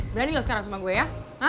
berani gak sekarang sama gue ya